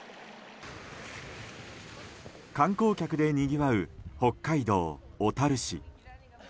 観光客でにぎわう北海道小樽市。